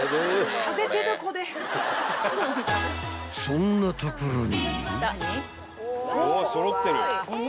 ［そんなところに］